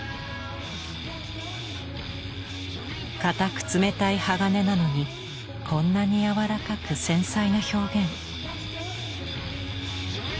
硬く冷たい鋼なのにこんなに柔らかく繊細な表現。